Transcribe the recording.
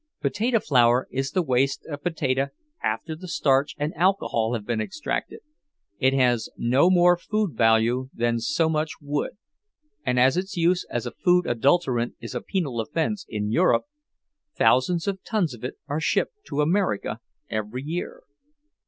Potato flour is the waste of potato after the starch and alcohol have been extracted; it has no more food value than so much wood, and as its use as a food adulterant is a penal offense in Europe, thousands of tons of it are shipped to America every year.